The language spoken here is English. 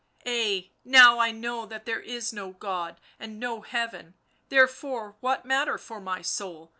— ay, now I know that there is no God and no Heaven, therefore what matter for my soul